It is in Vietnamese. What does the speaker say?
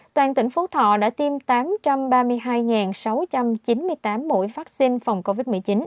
toàn tỉnh phú thọ đã tiêm tám trăm ba mươi hai sáu trăm chín mươi tám mũi vaccine phòng covid một mươi chín